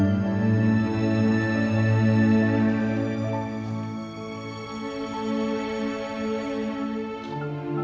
ayuh kita lihat bu